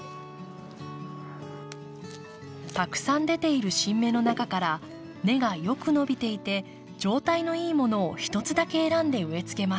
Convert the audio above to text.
たくさん出ている新芽の中から根がよく伸びていて状態のいいものを１つだけ選んで植えつけます。